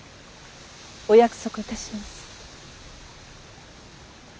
お約束いたします。